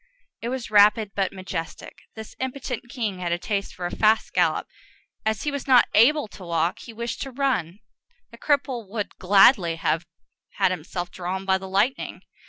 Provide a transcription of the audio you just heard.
It was rapid but majestic. This impotent king had a taste for a fast gallop; as he was not able to walk, he wished to run: that cripple would gladly have had himself drawn by the lightning.